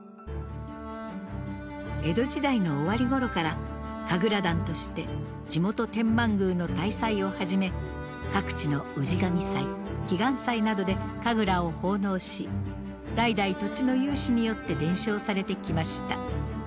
江戸時代の終わりごろから神楽団として地元天満宮の大祭をはじめ各地の氏神祭・祈願祭などで神楽を奉納し代々土地の有志によって伝承されてきました。